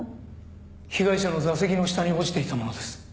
被害者の座席の下に落ちていたものです。